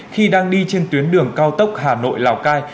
khi đang đi trên tuyến đường cao tốc hà nội lào cai